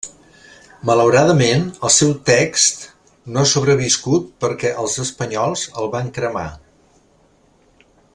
Malauradament, el seu text no ha sobreviscut perquè els espanyols el van cremar.